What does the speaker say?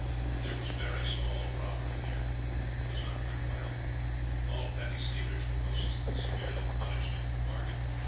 There was very little small robbery there; it was not worth while. All petty stealers were most severely punished into the bargain.